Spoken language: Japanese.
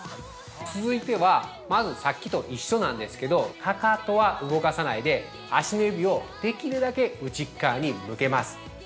続いては、まずさっきと一緒なんですけど、かかとは動かさないで足の指をできるだけ内っかわに向けます。